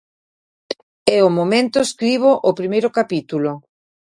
E ao momento escribo o primeiro capítulo.